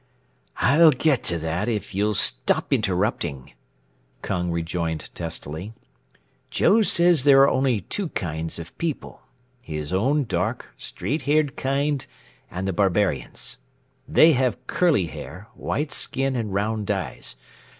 "I'll get to that if you'll stop interrupting," Kung rejoined testily. "Joe says there are only two kinds of people, his own dark, straight haired kind and the barbarians. They have curly hair, white skin and round eyes.